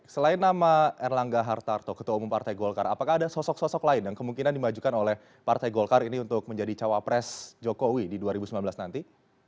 selain nama erlangga hartarto ketua umum partai golkar apakah ada sosok sosok lain yang kemungkinan dimajukan oleh partai golkar ini untuk menjadi cawapres jokowi di dua ribu sembilan belas nanti